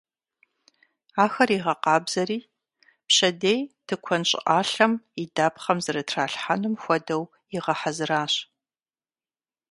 Ахэр игъэкъабзэри, пщэдей тыкуэн щӀыӀалъэм и дапхъэм зэрытралъхьэнум хуэдэу игъэхьэзыращ.